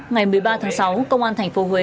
ngày một mươi ba tháng sáu công an tp huế